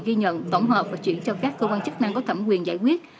di chuyển cho các cơ quan chức năng có thẩm quyền giải quyết